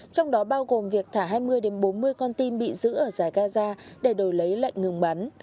trong đó bao gồm việc thả hai mươi bốn mươi con tim bị giữ ở giải gaza để đổi lấy lệnh ngừng bắn